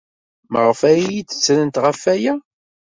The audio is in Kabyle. Maɣef ara iyi-d-ttrent ɣef waya?